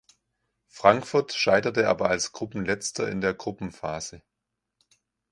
Frankfurt scheiterte aber als Gruppenletzter in der Gruppenphase.